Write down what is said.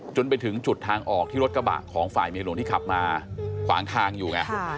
จนไปถึงจุดทางออกที่รถกระบะของฝ่ายเมียหลวงที่ขับมาขวางทางอยู่ไง